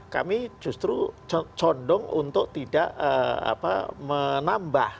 kami justru condong untuk tidak menambah